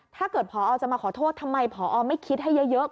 ถ้าเกิดพอจะมาขอโทษทำไมผอไม่คิดให้เยอะ